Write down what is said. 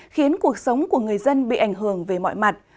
khiến cuộc sống của người dân bị ảnh hưởng về mọi mặt